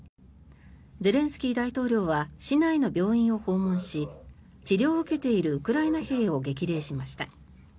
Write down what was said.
ゼレンスキー大統領は市内の病院を訪問し治療を受けているウクライナ兵を激励しました。